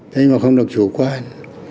nhưng mà không được chủ quan